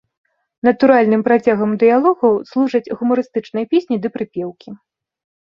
Натуральным працягам дыялогаў служаць гумарыстычныя песні ды прыпеўкі.